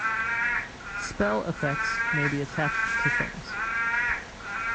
Spell-effects may be attached to Things.